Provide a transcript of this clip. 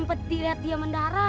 pasti dia kesana